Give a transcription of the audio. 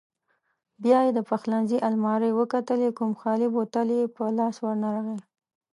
بیا یې د پخلنځي المارۍ وکتلې، کوم خالي بوتل یې په لاس ورنغی.